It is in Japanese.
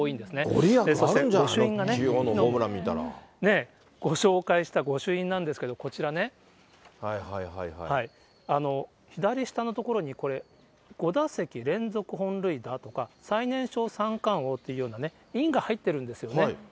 御利益あるんじゃないの、ご紹介した御朱印なんですけれども、こちらね、左下の所にこれ、五打席連続本塁打とか、最年少三冠王というようなね、印が入ってるんですよね。